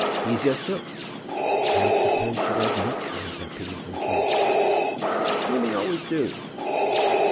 "Easier still." "And suppose she does not mind her p's and q's?" "Women always do."